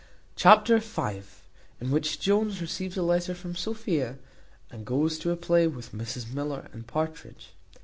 Chapter v. In which Jones receives a letter from Sophia, and goes to a play with Mrs Miller and Partridge.